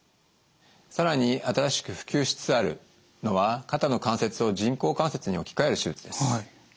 更に新しく普及しつつあるのは肩の関節を人工関節に置き換える手術です。